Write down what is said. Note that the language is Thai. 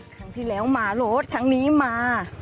ครั้งที่แล้วมารถครั้งนี้มา